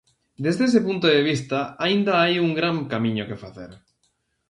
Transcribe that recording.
Desde ese punto de vista aínda hai un gran camiño que facer.